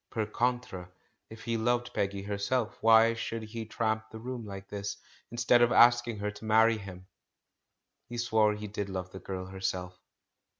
Per contra, if he loved Peggy herself, why should he tramp the room like this, instead of asking her to marry him? He swore he did love the girl herself.